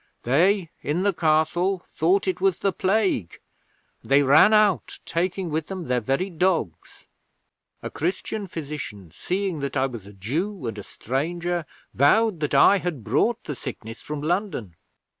They in the Castle thought it was the Plague, and they ran out, taking with them their very dogs. 'A Christian physician, seeing that I was a Jew and a stranger, vowed that I had brought the sickness from London.